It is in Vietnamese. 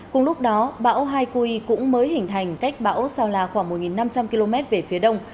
cùng lúc đó bão haikui cũng mới hình thành cách bão sao la khoảng một năm trăm linh km về phía đông